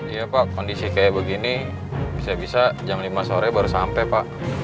iya pak kondisi kayak begini bisa bisa jam lima sore baru sampai pak